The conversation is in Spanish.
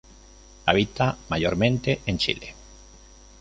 Habita mayormente en Chile.